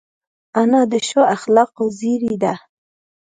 انا د ښو اخلاقو زېری ده